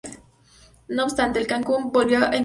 No obstante, el Kan Kuchum volvió a escapar.